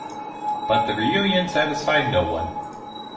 But the reunion satisfied no one.